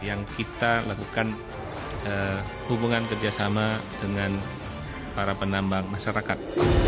yang kita lakukan hubungan kerjasama dengan para penambang masyarakat